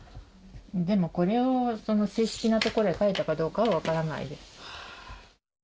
でもこれを正式なところへ書いたかどうかは分からないです。